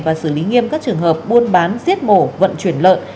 và xử lý nghiêm các trường hợp buôn bán giết mổ vận chuyển lợn